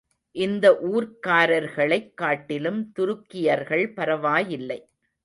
இந்த ஊர்க்காரர்களைக் காட்டிலும் துருக்கியர்கள் பரவாயில்லை.